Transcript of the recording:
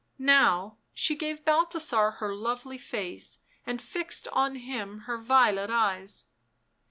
How she gave Bal thasar her lovely face, and fixed on him her violet eyes.